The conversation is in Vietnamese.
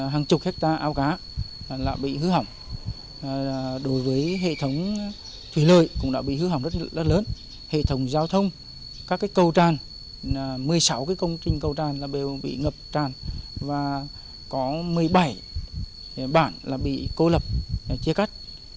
hệ thống thủy lợi cũng đã bị hư hỏng rất lớn hệ thống giao thông các cầu tràn một mươi sáu công trình cầu tràn bị ngập tràn và có một mươi bảy bản bị cô lập chia cắt